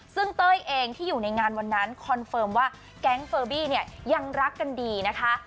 ซึ่งเต้ยเองที่อยู่ในงานวันนั้นคอนเฟิร์มว่าแก๊งเฟอร์บี้เนี่ยยังรักกันดีนะคะ